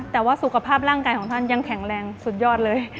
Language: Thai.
แต่ว่าสุขภาพร่างกายของท่านยังแข็งแรงสุดยอดเลย